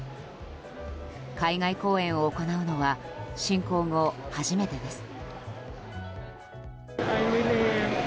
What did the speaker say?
海外公演を行うのは侵攻後、初めてです。